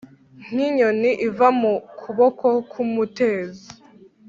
nk’inyoni iva mu kuboko k’umutezi